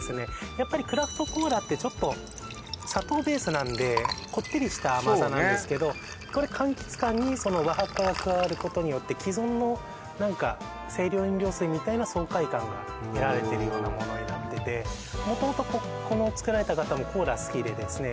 やっぱりクラフトコーラってちょっと砂糖ベースなんでこってりした甘さなんですけどこれ柑橘感にその和ハッカが加わることによって既存の何か清涼飲料水みたいな爽快感が得られてるようなものになってて元々この作られた方もコーラ好きでですね